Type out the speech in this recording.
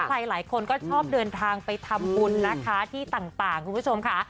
หลายคนก็ชอบเดินทางไปทำบุญนะคะที่ต่างคุณผู้ชมค่ะ